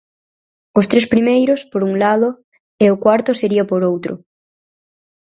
Os tres primeiros, por un lado, e o cuarto sería por outro.